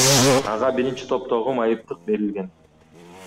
Ага биринчи топтогу майыптык берилген.